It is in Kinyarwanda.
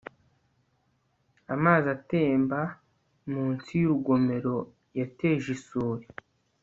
amazi atemba munsi y'urugomero yateje isuri